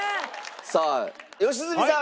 さあ良純さん。